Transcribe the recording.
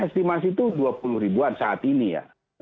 estimasi itu dua puluh ribuan saat ini ya